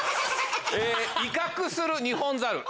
威嚇するニホンザル。